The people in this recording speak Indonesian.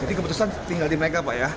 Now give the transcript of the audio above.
jadi keputusan tinggal di mereka pak ya